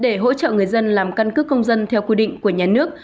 để hỗ trợ người dân làm căn cước công dân theo quy định của nhà nước